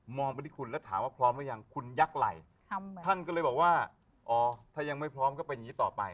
ไปที่คุณแล้วถามว่าพร้อมหรือยังคุณยักษ์ไหล่ท่านก็เลยบอกว่าอ๋อถ้ายังไม่พร้อมก็เป็นอย่างนี้ต่อไป